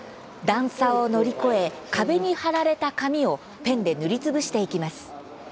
段差を乗り越え壁に貼られた紙をペンで塗りつぶしていきます。